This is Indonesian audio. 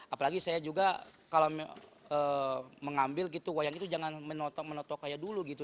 apalagi saya juga kalau mengambil gitu wayang itu jangan menotok menotok kayak dulu gitu